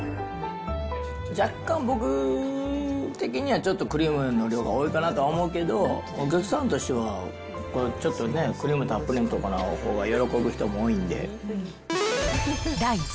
若干、僕的にはちょっとクリームの量が多いかなとは思うけど、お客さんとしては、これ、ちょっとクリームたっぷりのほうが喜ぶ人も多いんで。